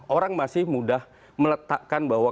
orang masih mudah meletakkan bahwa